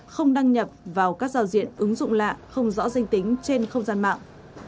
không đăng nhập vào các giao diện ứng dụng lạ không rõ danh tính trên không gian mạng